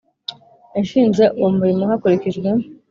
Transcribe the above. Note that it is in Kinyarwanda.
yashinze uwo murimo hakurikijwe